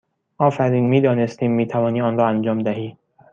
آفرین! می دانستیم می توانی آن را انجام دهی!